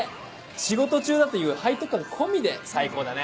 仕事中だという背徳感込みで最高だね！